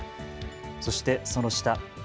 そしてその下。